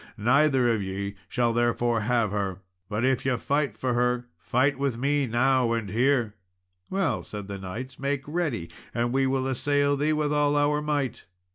Neither of ye shall therefore have her; but if ye will fight for her, fight with me now and here." "Well," said the knights, "make ready, and we will assail thee with all our might."